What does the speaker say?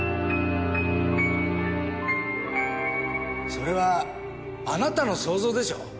それはあなたの想像でしょう？